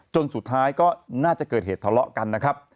จนสุดท้ายก็น่าจะเกิดเหตุทะเลาะกันนะครับ